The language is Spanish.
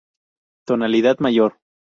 Tonalidad mayor.